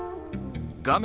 画面